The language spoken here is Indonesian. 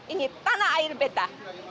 ini tanah air beta